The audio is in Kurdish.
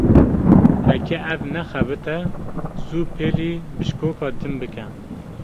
Heke ev nexebite, zû pêlî bişkoka din bike.